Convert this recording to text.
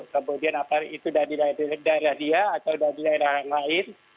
kemudian apa itu dari daerah dia atau dari daerah yang lain